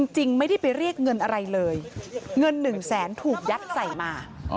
จริงไม่ได้ไปเรียกเงินอะไรเลยเงิน๑แสนถูกยัดใส่มา